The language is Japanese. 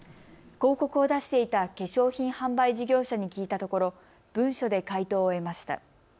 広告を出していた化粧品販売事業者に聞いたところ文書で回答を得ました。